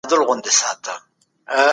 دا ناوړه پېښې د خلګو ژوند هره ورځ ګواښي.